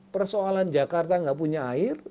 persoalan jakarta nggak punya air